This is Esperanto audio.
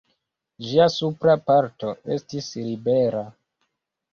Ĝia supra parto estis libera.